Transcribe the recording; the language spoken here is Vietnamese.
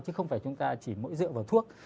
chứ không phải chúng ta chỉ mỗi dựa vào thuốc